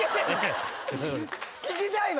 聞きたいわ。